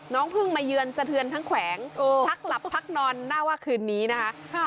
เพิ่งมาเยือนสะเทือนทั้งแขวงพักหลับพักนอนหน้าว่าคืนนี้นะคะ